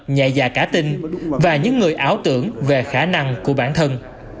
nhạy dạ cả tinh và những người ảo tưởng về khả năng của bản thân